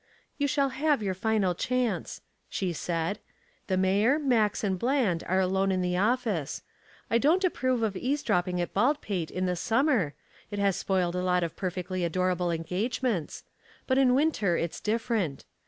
"You shall have your final chance," she said. "The mayor, Max and Bland are alone in the office. I don't approve of eavesdropping at Baldpate in the summer it has spoiled a lot of perfectly adorable engagements. But in winter it's different.